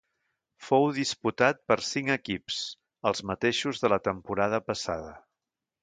Fou disputat per cinc equips, els mateixos de la temporada passada.